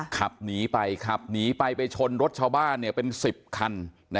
ขับหนีไปขับหนีไปไปชนรถชาวบ้านเป็น๑๐คัน